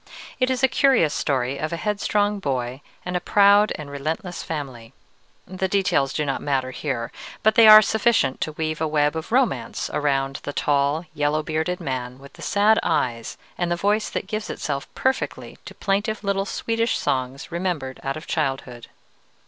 It is a curious story of a headstrong boy and a proud and relentless family: the details do not matter here, but they are sufficient to weave a web of romance around the tall yellow bearded man with the sad eyes and the voice that gives itself perfectly to plaintive little Swedish songs remembered out of childhood.